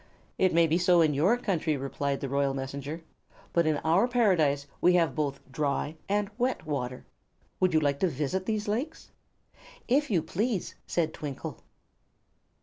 "It may be so in your country," replied the Royal Messenger, "but in our Paradise we have both dry and wet water. Would you like to visit these lakes?" "If you please," said Twinkle.